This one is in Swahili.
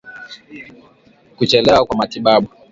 Kuchelewa kwa matibabu